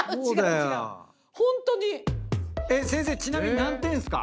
先生ちなみに何点っすか？